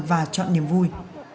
và chọn niềm vui